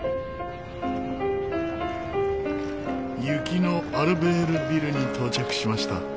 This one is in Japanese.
雪のアルベールヴィルに到着しました。